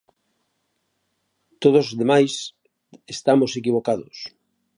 ¡Todos os demais estamos equivocados!